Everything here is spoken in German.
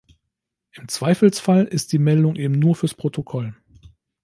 Im Zweifelsfall ist die Meldung eben nur fürs Protokoll.